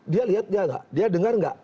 dia lihat dia nggak dia dengar nggak